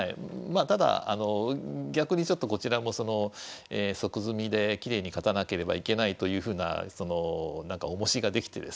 まあただ逆にちょっとこちらも即詰みできれいに勝たなければいけないというふうなおもしが出来てですね